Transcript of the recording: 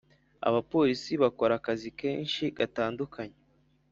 Abapolisi bakora akazi kenshi gatandukanye